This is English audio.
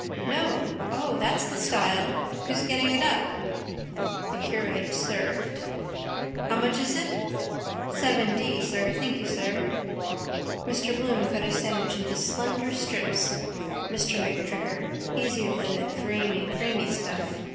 —No. O, that's the style. Who's getting it up? The curate served. —How much is that? —Seven d., sir... Thank you, sir. Mr Bloom cut his sandwich into slender strips. Mr MacTrigger. Easier than the dreamy creamy stuff.